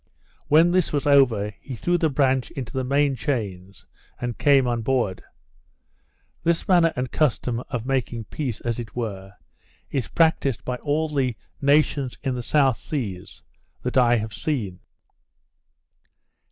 When this was over, he threw the branch into the main chains, and came on board. This custom and manner of making peace, as it were, is practised by all the nations in the South Seas that I have seen.